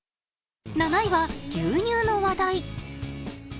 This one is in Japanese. ７位は牛乳の話題。